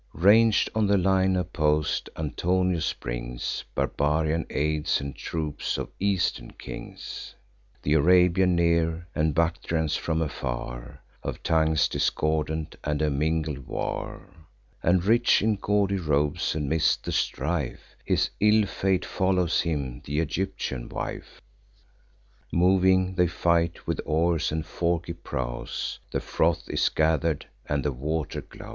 Rang'd on the line oppos'd, Antonius brings Barbarian aids, and troops of Eastern kings; Th' Arabians near, and Bactrians from afar, Of tongues discordant, and a mingled war: And, rich in gaudy robes, amidst the strife, His ill fate follows him—th' Egyptian wife. Moving they fight; with oars and forky prows The froth is gather'd, and the water glows.